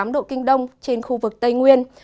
một trăm linh tám độ kinh đông trên khu vực tây nguyên